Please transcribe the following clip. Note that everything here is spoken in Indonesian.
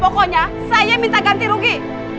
pokoknya saya minta ganti rugi